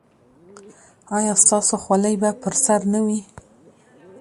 ایا ستاسو خولۍ به پر سر نه وي؟